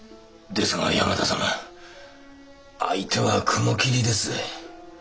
ですが山田様相手は雲霧ですぜ。